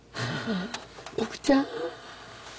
僕ちゃん。